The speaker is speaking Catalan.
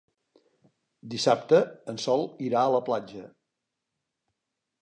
Dissabte en Sol irà a la platja.